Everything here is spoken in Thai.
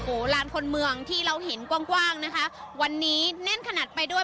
โอ้โหลานคนเมืองที่เราเห็นกว้างกว้างนะคะวันนี้แน่นขนาดไปด้วย